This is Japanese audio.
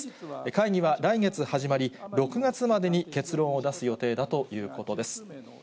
会議は来月始まり、６月までに結論を出す予定だということです。